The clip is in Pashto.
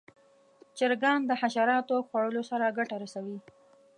چرګان د حشراتو خوړلو سره ګټه رسوي.